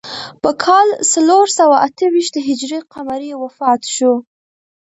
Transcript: په کال څلور سوه اته ویشت هجري قمري وفات شو.